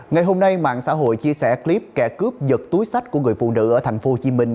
ngày hôm nay mạng xã hội chia sẻ clip kẻ cướp giật túi sách của người phụ nữ ở thành phố hồ chí minh